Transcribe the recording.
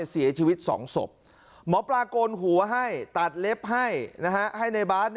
เสียชีวิต๒ศพหมอปลาโกนหัวให้ตัดเล็บให้ให้ในบาส